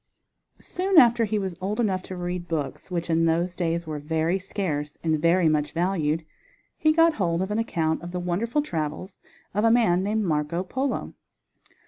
Soon after he was old enough to read books, which in those days were very scarce and very much valued, he got hold of an account of the wonderful travels of a man named Marco Polo.